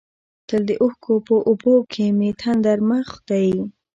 تل د اوښکو په اوبو کې مې تندر مخ دی.